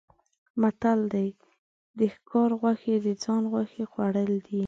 متل دی: د ښکار غوښې د ځان غوښې خوړل دي.